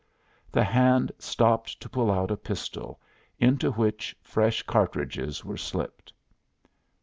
The hand stopped to pull out a pistol, into which fresh cartridges were slipped.